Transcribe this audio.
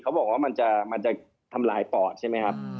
เขาบอกว่ามันจะทำลายปอดใช่ไหมครับ